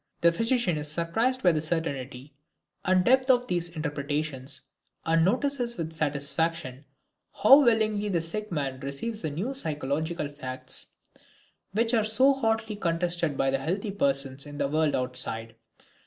The physician is surprised by the certainty and depth of these interpretations and notices with satisfaction how willingly the sick man receives the new psychological facts which are so hotly contested by the healthy persons in the world outside.